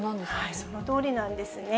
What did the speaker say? そのとおりなんですね。